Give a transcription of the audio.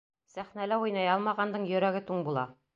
Сәхнәлә уйнай алмағандың йөрәге туң була.